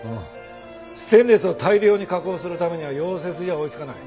ステンレスを大量に加工するためには溶接じゃ追いつかない。